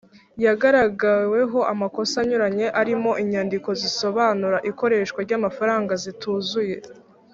yagaragaweho amakosa anyuranye arimo inyandiko zisobanura ikoreshwa ry’amafaranga zituzuye